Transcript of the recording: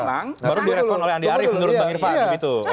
baru direspon oleh andri arief menurut bang irvan